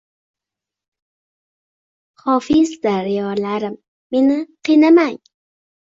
Hofiz daryolarim, meni qiynamang